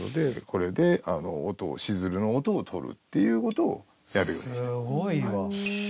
これで音をシズルの音を録るっていう事をやるようにしています。